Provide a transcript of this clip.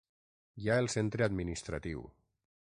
Hi ha el centre administratiu.